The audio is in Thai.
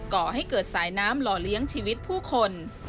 ก่อให้เกิดสายน้ำหล่อเลี้ยงชีวิตผู้คน